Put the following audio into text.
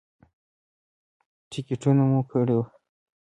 ټکټونه مو کړي وو.